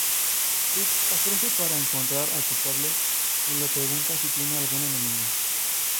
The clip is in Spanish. Rick ofrece para encontrar al culpable y le pregunta si tiene algún enemigo.